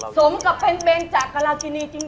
สมกับเป็นเบ้นจากกะระจินีจริง